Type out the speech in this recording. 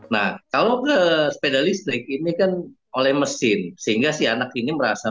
nah kalau sepeda listrik ini kan oleh mesin sehingga si anak ini merasa